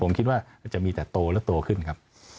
ผมคิดว่าจะมีแต่โตและโตขึ้นครับ